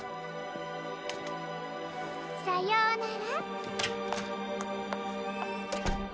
さようなら。